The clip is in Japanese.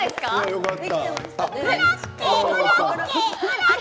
よかった。